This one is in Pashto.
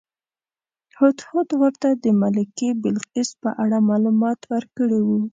هدهد ورته د ملکې بلقیس په اړه معلومات ورکړي وو.